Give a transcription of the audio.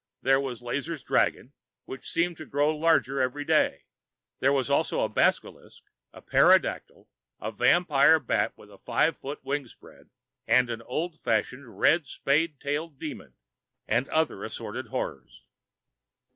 There was Lazar's dragon, which seemed to grow larger every day. There was also a basilisk, a pterodactyl, a vampire bat with a five foot wingspread, an old fashioned red spade tailed demon and other assorted horrors.